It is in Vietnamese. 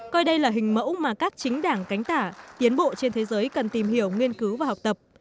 và các chính đảng cánh tả tiến bộ trên thế giới cần tìm hiểu nghiên cứu và học tập